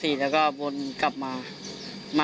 แล้วหลังจากนั้นเราขับหนีเอามามันก็ไล่ตามมาอยู่ตรงนั้น